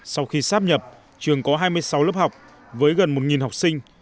sau khi sắp nhập trường có hai mươi sáu lớp học với gần một học sinh